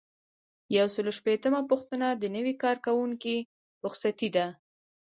یو سل او شلمه پوښتنه د نوي کارکوونکي رخصتي ده.